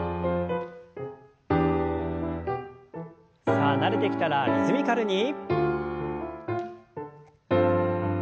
さあ慣れてきたらリズミカルに。